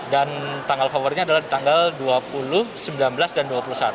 dan tanggal favoritnya adalah di tanggal dua puluh sembilan belas dan dua puluh satu